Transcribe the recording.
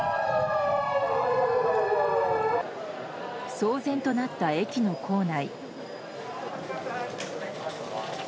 騒然となった駅の構内。